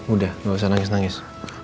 udah gak usah nangis nangis